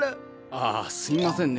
ああすみませんね